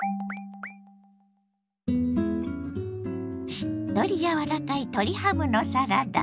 しっとり柔らかい鶏ハムのサラダ。